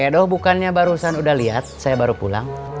si edo bukannya barusan udah liat saya baru pulang